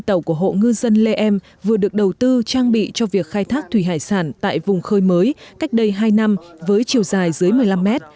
tàu của hộ ngư dân lê em vừa được đầu tư trang bị cho việc khai thác thủy hải sản tại vùng khơi mới cách đây hai năm với chiều dài dưới một mươi năm mét